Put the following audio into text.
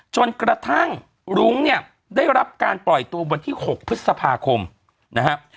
จนกระทั่งรุ้งเนี่ยได้รับการปล่อยตัววันที่๖พฤษภาคมนะครับ